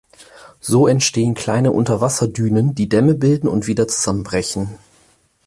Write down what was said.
So entstehen kleine Unterwasser-Dünen, die Dämme bilden und wieder zusammenbrechen.